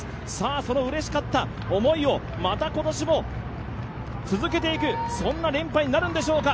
そのうれしかった思いをまた今年も続けていくそんな連覇になるんでしょうか。